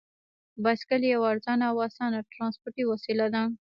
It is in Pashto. بایسکل یوه ارزانه او اسانه ترانسپورتي وسیله ده.